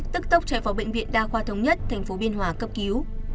tức tốc chạy vào bệnh viện đa khoa thống nhất tp biên hòa cấp cứu